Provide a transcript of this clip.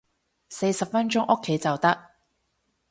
四十分鐘屋企就得